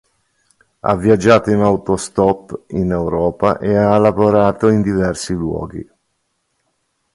Ha viaggiato in autostop in Europa e ha lavorato in diversi luoghi.